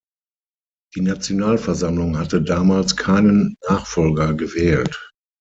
Die Nationalversammlung hatte damals keinen Nachfolger gewählt.